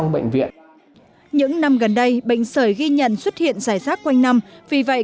bệnh viện những năm gần đây bệnh sởi ghi nhận xuất hiện rải rác quanh năm vì vậy